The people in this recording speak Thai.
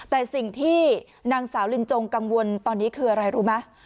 แต่สิ่งที่นางสาวลินจงกังวลตอนนี้คืออะไรรู้ไหม